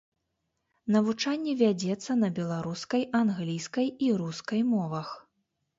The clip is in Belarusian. Навучанне вядзецца на беларускай, англійскай і рускай мовах.